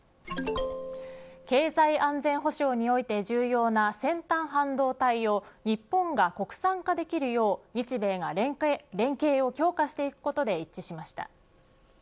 経済安全保障において重要な先端半導体を日本が国産化できるよう日米が連携を強化していくことで一致しました。